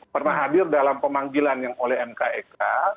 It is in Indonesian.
pernah hadir dalam pemanggilan yang oleh mkek